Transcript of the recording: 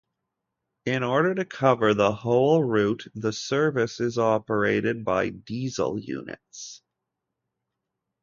In order to cover the whole route the service is operated by diesel units.